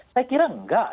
saya kira enggak